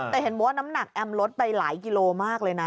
แต่เห็นบอกว่าน้ำหนักแอมลดไปหลายกิโลมากเลยนะ